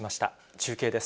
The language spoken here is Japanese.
中継です。